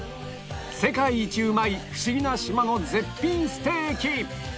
世界一うまいフシギな島の絶品ステーキ